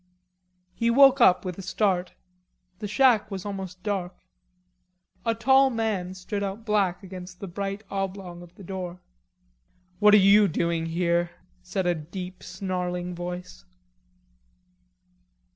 He woke up with a start. The shack was almost dark. A tall man stood out black against the bright oblong of the door. "What are you doing here?" said a deep snarling voice.